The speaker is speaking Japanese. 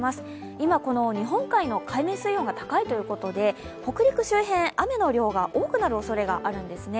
今、日本海の海面水温が高いということで北陸周辺、雨の量が多くなるおそれがあるんですね。